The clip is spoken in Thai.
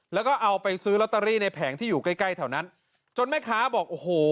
แล้วก็เอาไปซื้อลอตเตอรี่ในแผงที่อยู่ใกล้ใกล้แถวนั้นจนแม่ค้าบอกโอ้โห